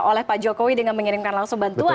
oleh pak jokowi dengan mengirimkan langsung bantuan